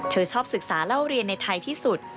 เธอชอบศึกษาเล่าเรียนในไทยที่สุด